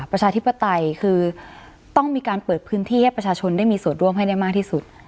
ประชาธิปไตยคือต้องมีการเปิดพื้นที่ให้ประชาชนได้มีส่วนร่วมให้ได้มากที่สุด